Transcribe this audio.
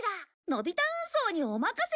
のび太運送にお任せを！